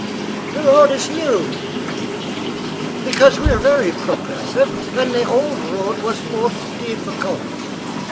"This road is new," said he, "because we are very progressive and the old road was most difficulty.